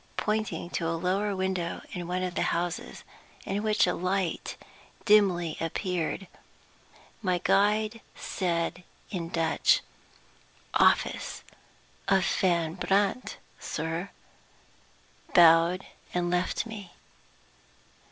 Pointing to a lower window in one of the houses, in which a light dimly appeared, my guide said in Dutch: "Office of Van Brandt, sir," bowed, and left me.